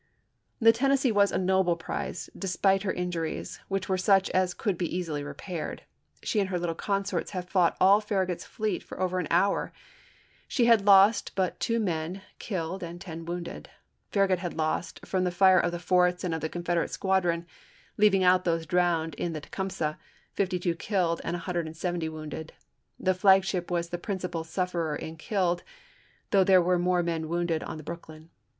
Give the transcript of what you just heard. The Tennessee was a noble prize, despite her in juries, which were such as could be easily repaired. She and her little consorts had fought all Farra gut's fleet for over an hour — she had lost but two men killed and ten wounded. Farragut had lost, from the fire of the forts and of the Confederate squadron, leaving out those drowned in the Tecum J^ggJ sell, 52 killed and 170 wounded. The flagship AujfJJ*. was the principal sufferer in killed, though there Se07tSry were more men wounded on the Brooklyn.